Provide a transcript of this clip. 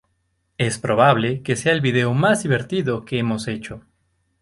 Es probable que sea el video más divertido que hemos hecho.